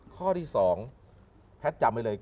ข้อที่๒แพทย์จำไว้เลย